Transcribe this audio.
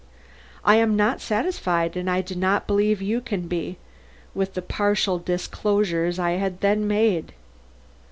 I am not satisfied, and I do not believe you can be, with the partial disclosures I then made.